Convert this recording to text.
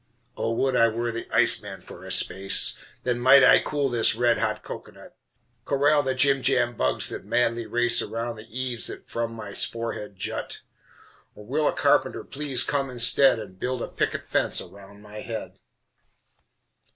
Oh! would I were the ice man for a space, Then might I cool this red hot cocoanut, Corral the jim jam bugs that madly race Around the eaves that from my forehead jut Or will a carpenter please come instead And build a picket fence around my head?